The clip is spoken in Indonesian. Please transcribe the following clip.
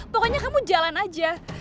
pokoknya kamu jalan aja